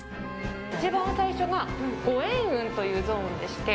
一番最初がご縁運というゾーンでして。